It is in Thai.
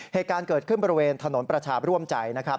เหตุการณ์เกิดขึ้นบริเวณถนนประชาบร่วมใจนะครับ